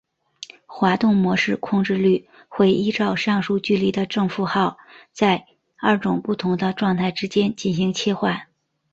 滑动模式控制律会依照上述距离的正负号在二种不同的状态之间进行切换。